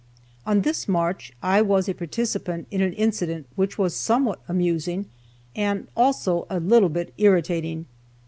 On this march I was a participant in an incident which was somewhat amusing, and also a little bit irritating.